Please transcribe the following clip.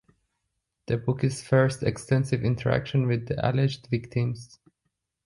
The book is the first extensive interaction with the alleged victims.